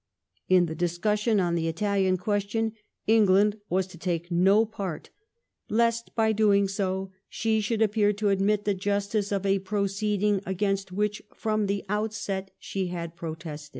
vj In the discussion on the Italian question England was to take c^stle no part, '* lest by doing so she should appear to admit the justice ""^^S^'® of a proceeding against which from the outset she had protested